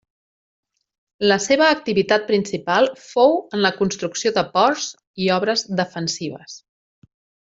La seva activitat principal fou en la construcció de ports i obres defensives.